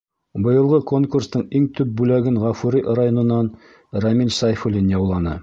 Быйылғы конкурстың иң төп бүләген Ғафури районынан Рәмил Сәйфуллин яуланы.